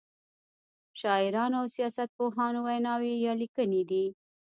شاعرانو او سیاست پوهانو ویناوی یا لیکنې دي.